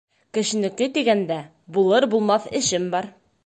Кешенеке тигәндә, булыр-булмаҫ эшем бар.